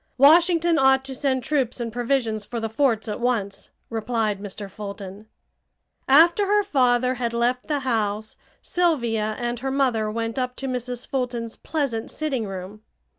Washington ought to send troops and provisions for the forts at once!" replied Mr. Fulton. After her father had left the house Sylvia and her mother went up to Mrs. Fulton's pleasant sitting room.